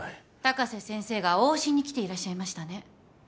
高瀬先生が往診に来ていらっしゃいましたね。